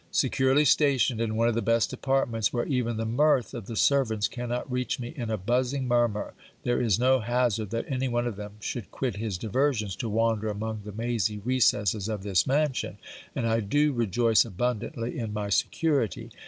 Securely stationed in one of the best apartments where even the mirth of the servants cannot reach me in a buzzing murmur, there is no hazard that any one of them should quit his diversions to wander among the mazy recesses of this mansion; and I do rejoice abundantly in my security.